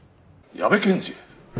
矢部検事！